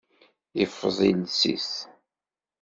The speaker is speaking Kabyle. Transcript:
Iffeẓ iles-is.